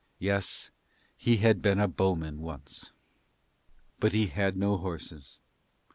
Yes, he had been a bowman once. But he had no horses.